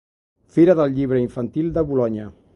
Fira del Llibre Infantil de Bolonya.